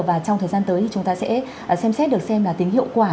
và trong thời gian tới thì chúng ta sẽ xem xét được xem là tính hiệu quả